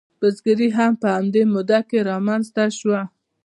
بزګري هم په همدې موده کې رامنځته شوه.